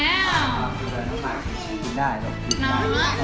น้องน้องอร่อยมีลูก